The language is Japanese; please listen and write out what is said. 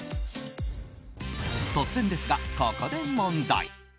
突然ですが、ここで問題！